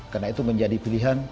karena itu menjadi pilihan